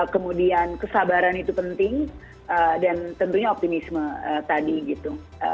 kemudian kesabaran itu penting dan tentunya optimisme tadi gitu